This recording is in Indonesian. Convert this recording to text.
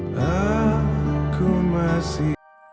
sampai jumpa lagi